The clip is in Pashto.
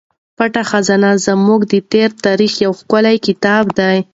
پټه خزانه زموږ د تېر تاریخ یو ښکلی کتاب دی.